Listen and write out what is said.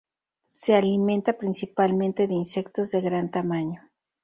Se alimenta principalmente de insectos de gran tamaño.